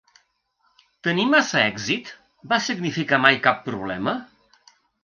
Tenir massa èxit va significar mai cap problema?